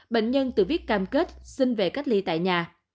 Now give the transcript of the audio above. bệnh nhân tự viết cam kết xin về cách ly tại nhà